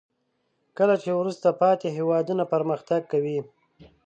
کله چې وروسته پاتې هیوادونه پرمختګ کوي.